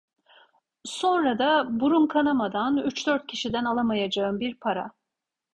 Sonra da burun kanamadan, üç dört kişiden alamayacağın bir para…